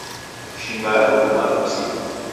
Shimba yarurumagha msidunyi